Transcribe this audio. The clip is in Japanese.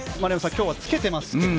今日はつけてますが。